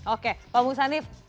oke pak musanif